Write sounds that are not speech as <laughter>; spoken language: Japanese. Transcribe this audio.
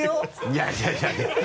いやいや <laughs>